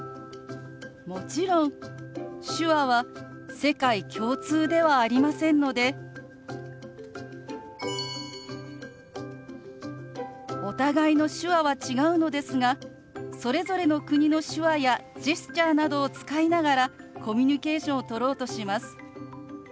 もちろん手話は世界共通ではありませんのでお互いの手話は違うのですがそれぞれの国の手話やジェスチャーなどを使いながらコミュニケーションをとろうとします。